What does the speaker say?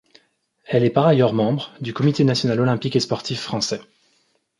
Elle est par ailleurs membre du Comité national olympique et sportif français.